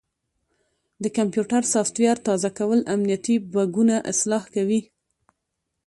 د کمپیوټر سافټویر تازه کول امنیتي بګونه اصلاح کوي.